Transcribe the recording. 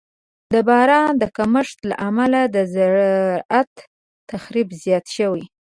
د باران د کمښت له امله د زراعت تخریب زیات شوی.